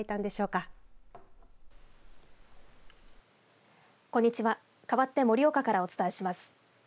かわって盛岡からお伝えします。